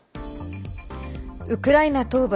ウクライナの東部